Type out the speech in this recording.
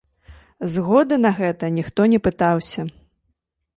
Згоды на гэта ніхто не пытаўся.